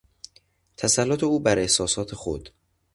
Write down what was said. تسلط او بر احساسات خود...